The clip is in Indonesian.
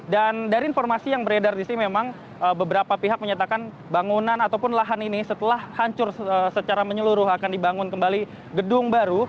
dan dari informasi yang beredar di sini memang beberapa pihak menyatakan bangunan ataupun lahan ini setelah hancur secara menyeluruh akan dibangun kembali gedung baru